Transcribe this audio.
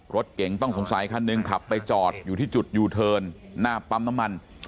รถเก๋งต้องสงสัยคันหนึ่งขับไปจอดอยู่ที่จุดยูเทิร์นหน้าปั๊มน้ำมัน